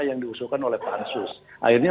yang diusulkan oleh pansus akhirnya